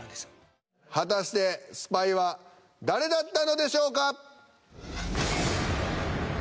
果たしてスパイは誰だったのでしょうか？